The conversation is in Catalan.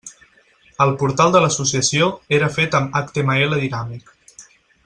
El portal de l'Associació era fet amb HTML dinàmic.